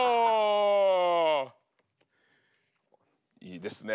いいですね。